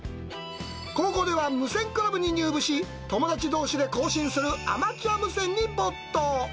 高校では無線クラブに入部し、友達どうしで交信するアマチュア無線に没頭。